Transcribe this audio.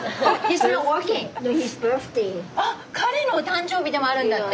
あっ彼のお誕生日でもあるんだって。